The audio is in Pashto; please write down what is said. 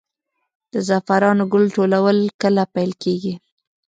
د زعفرانو ګل ټولول کله پیل کیږي؟